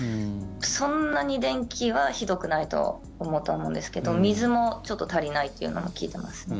そんなに電気はひどくないと思うと思うんですけど水もちょっと足りないっていうのも聞いてます。